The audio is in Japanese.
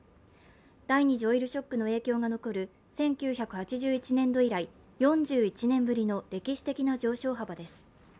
第２次オイルショックの影響が残る１９８１年度以来、４１年ぶりの歴史的な上昇幅です。